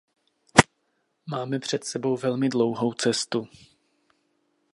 Máme před sebou velmi dlouhou cestu.